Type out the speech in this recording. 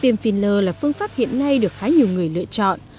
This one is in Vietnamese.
tiêm filler là phương pháp hiện nay được khá nhiều người lựa chọn